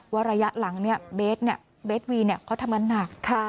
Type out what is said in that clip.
ระยะหลังเบสวีเขาทำงานหนัก